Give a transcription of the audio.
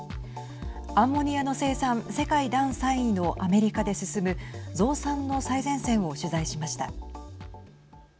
アンモニアの生産世界第３位のアメリカで進む増産の最前線を取材しました。